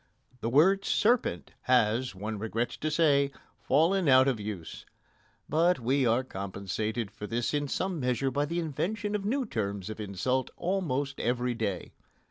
The word "serpent" has, one regrets to say, fallen out of use. But we are compensated for this in some measure by the invention of new terms of insult almost every day.